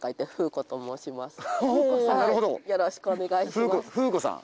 よろしくお願いします